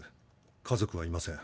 家族はいません。